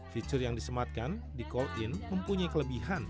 fitur yang disematkan di call in mempunyai kelebihan